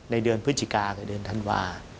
ในเดือนพฤศจิกากับเดือนธันวา